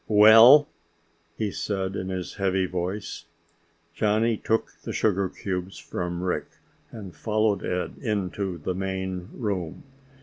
"Well?" he said in his heavy voice. Johnny took the sugar cubes from Rick and followed Ed into the main room.